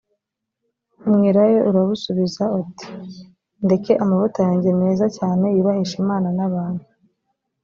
umwelayo urabisubiza uti ndeke amavuta yanjye meza cyane yubahisha imana n abantu